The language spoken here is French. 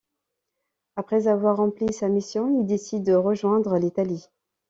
Après avoir rempli sa mission, il décide de rejoindre l'Italie.